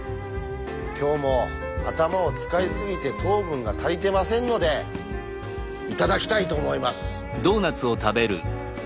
今日も頭を使い過ぎて糖分が足りてませんのでいただきたいと思います。